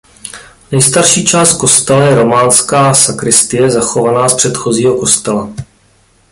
Nejstarší část kostela je románská sakristie zachovaná z předchozího kostela.